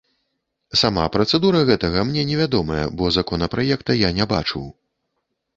Сама працэдура гэтага мне невядомая, бо законапраекта я не бачыў.